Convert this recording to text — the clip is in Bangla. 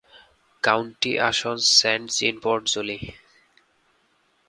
কাউন্টি আসন সেন্ট-জিন-পোর্ট-জোলি।